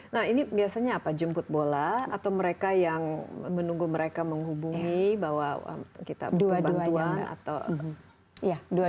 nah ini biasanya apa jemput bola atau mereka yang menunggu mereka menghubungi bahwa kita butuh bantuan atau